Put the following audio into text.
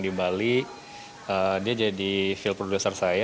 dia menjadi produser film saya